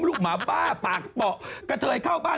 หมาบ้าปากเบาะกระเทยเข้าบ้าน